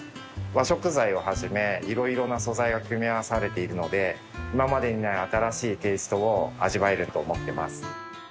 和食材をはじめ色々な素材が組み合わされているので今までにない新しいテイストを味わえると思ってます。